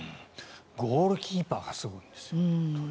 ゴールキーパーがすごいんですよ。